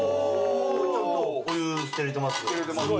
おお湯捨てられてます